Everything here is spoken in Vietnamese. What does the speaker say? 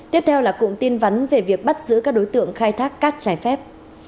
tiếp theo là cụm tin vắn về việc bắt giữ các đối tượng khai thác cát trái phép